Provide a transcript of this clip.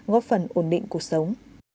góp phần ổn định cuộc sống